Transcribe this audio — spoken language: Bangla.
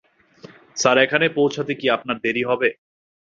স্যার, এখানে পৌঁছাতে কি আপনার দেরী হবে?